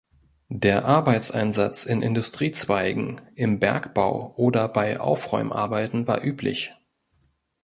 Der Arbeitseinsatz in Industriezweigen, im Bergbau oder bei Aufräumarbeiten war üblich.